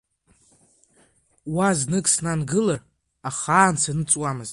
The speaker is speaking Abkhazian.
Уа знык снангылар ахаан саныҵуамызт!